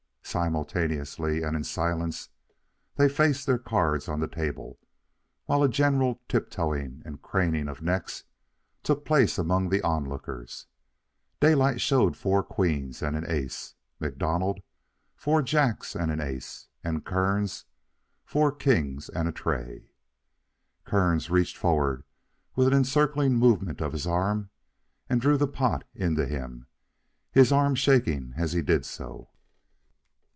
Simultaneously and in silence they faced their cards on the table, while a general tiptoeing and craning of necks took place among the onlookers. Daylight showed four queens and an ace; MacDonald four jacks and an ace; and Kearns four kings and a trey. Kearns reached forward with an encircling movement of his arm and drew the pot in to him, his arm shaking as he did so.